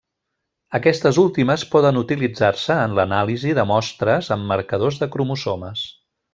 Aquestes últimes poden utilitzar-se en l’anàlisi de mostres amb marcadors de cromosomes.